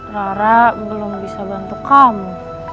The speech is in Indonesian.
rara belum bisa bantu kamu